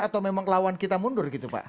atau memang lawan kita mundur gitu pak